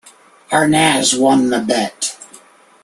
Arnaz won the bet.